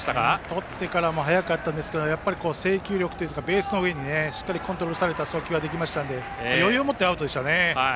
とってから早かったですが制球力というかベースの上にしっかりコントロールされた送球ができましたので余裕を持ってアウトでしたね。